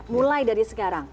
mulai dari sekarang